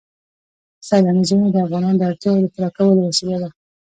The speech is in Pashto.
سیلانی ځایونه د افغانانو د اړتیاوو د پوره کولو وسیله ده.